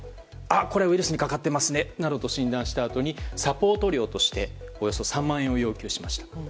あ、これはウイルスにかかってますねなどと診断したあとにサポート料としておよそ３万円を要求しました。